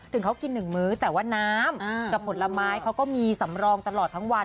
ถึงเขากิน๑มื้อแต่ว่าน้ำกับผลไม้เขาก็มีสำรองตลอดทั้งวัน